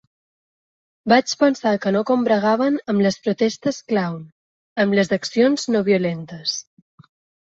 Vaig pensar que no combregaven amb les protestes clown, amb les accions no violentes.